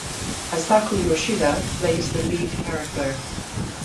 Eisaku Yoshida plays the lead character.